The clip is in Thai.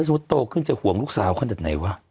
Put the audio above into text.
ตัวโตก็จะหวงลูกสาวขนาดไหนว่ะ